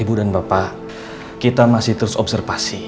ibu dan bapak kita masih terus observasi